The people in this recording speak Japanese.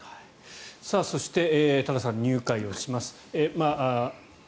そして、多田さん入会をします。